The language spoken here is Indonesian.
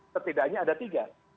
setidaknya ada tiga